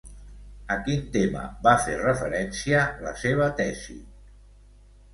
A quin tema va fer referència la seva tesi?